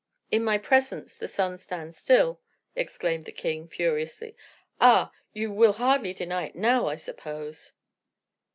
"In my presence the sun stands still," exclaimed the king, furiously. "Ah! you will hardly deny it now, I suppose."